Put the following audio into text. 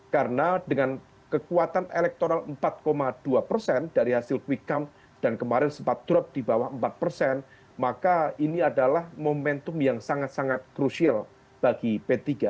karena dengan kekuatan elektoral empat dua dari hasil quick come dan kemarin sempat drop di bawah empat maka ini adalah momentum yang sangat sangat krusial bagi p tiga